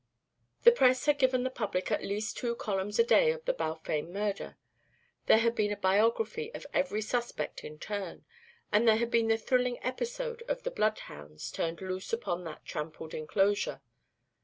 The press had given the public at least two columns a day of the Balfame murder; there had been a biography of every suspect in turn, and there had been the thrilling episode of the bloodhounds turned loose upon that trampled enclosure.